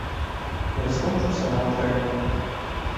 Ён скончыўся нават раней.